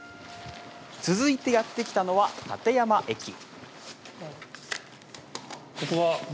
続いてやって来たのは立山駅。